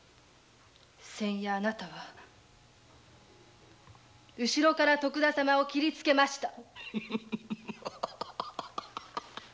あなたは先夜後ろから徳田様に切りつけました。